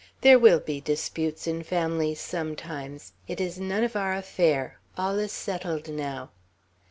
There will be disputes in families sometimes. It is none of our affair. All is settled now."